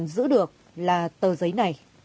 còn giữ được là tờ giấy này